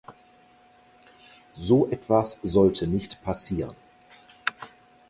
So etwas sollte nicht passieren.